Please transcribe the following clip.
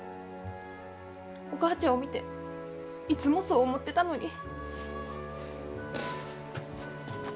お母ちゃんを見ていつもそう思ってたのに。